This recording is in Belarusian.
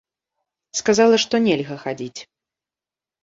Сказала, што нельга хадзіць.